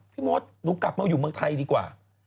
พี่มดหนูกลับมาอยู่เมืองไทยดีกว่า